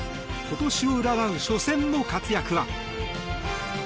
今年を占う初戦の活躍は。